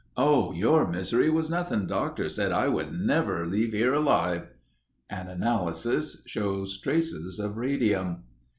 "Oh, your misery was nothing. Doctors said I would never reach here alive...." An analysis shows traces of radium.